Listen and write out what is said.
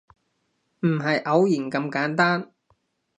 唔係偶然咁簡單